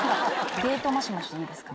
デートマシマシいいですか？